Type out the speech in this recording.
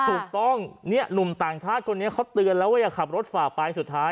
ถูกต้องนี่ลุมต่างชาติคนนี้เขาเตือนแล้วว่าอย่าขับรถฝ่าไป